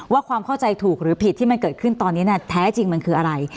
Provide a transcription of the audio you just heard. ความเข้าใจถูกหรือผิดที่มันเกิดขึ้นตอนนี้แท้จริงมันคืออะไร